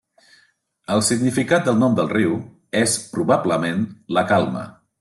El significat del nom del riu és probablement 'la calma'.